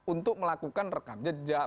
untuk melakukan rekam jejak